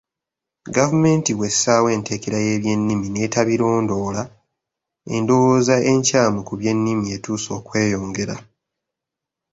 "Gavumenti bw'essaawo enteekera y'ebyennimi n'etabirondoola, endowooza enkyamu ku by'ennimi etuuse okweyongera ."